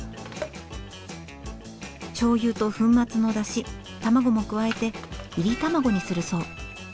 しょうゆと粉末のだし卵も加えていり卵にするそう。